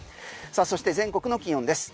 そして全国の気温です。